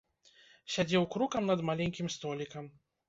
Сядзеў крукам над маленькім столікам.